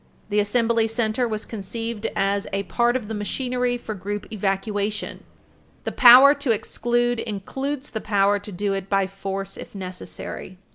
The Assembly Center was conceived as a part of the machinery for group evacuation. The power to exclude includes the power to do it by force if necessary.